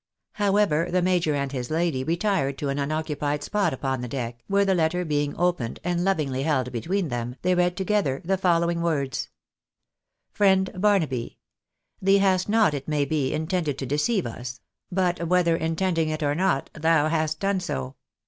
However, the major and his lady retired to an unoccupied spot upon the deck, where, the letter being opened, and lovingly held between them, they read together the following words :—" Fkiend Barnaby, — ^Thee hast not, it may be, intended to deceive us ; but, whether intending it or not, thou hast done so.